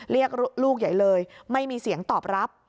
เรียกลูกใหญ่เลยไม่มีเสียงตอบรับ